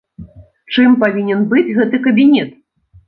Чым павінен быць гэты кабінет?